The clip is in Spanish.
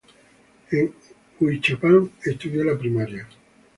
En Huichapan estudió la primaria.